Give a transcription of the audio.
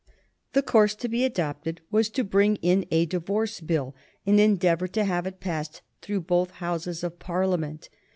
The course to be adopted was to bring in a Divorce Bill, and endeavor to have it passed through both Houses of Parliament.